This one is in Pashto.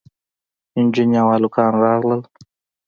نجونې او هلکان راغلل.